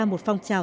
một phong trào